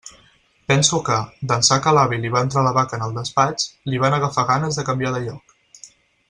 Penso que, d'ençà que a l'avi li va entrar la vaca en el despatx, li van agafar ganes de canviar de lloc.